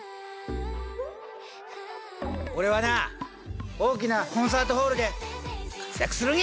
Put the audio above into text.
俺はな大きなコンサートホールで活躍するんや！